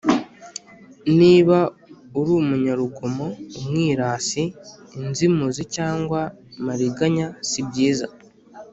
niba uri umunyarugomo, umwirasi, inzimuzi cyangwa mariganya sibyiza